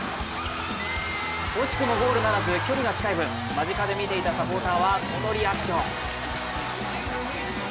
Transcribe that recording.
惜しくもゴールならず距離が近い分、間近で見ていたサポーターはこのリアクション。